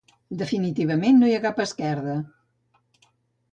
Definitivament no hi ha cap esquerda.